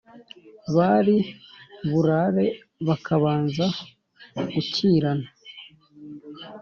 bari burare bakabanza gukirana…